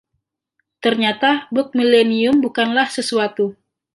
Ternyata bug milenium bukanlah sesuatu.